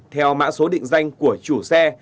theo mã số định danh của chủ xe